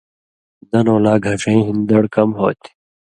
دنؤں لا گھݜَیں ہِن دڑ کم ہوتھی۔